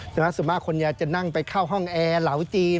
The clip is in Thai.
ส่วนมากคนยาจะนั่งไปเข้าห้องแอร์เหลาจีน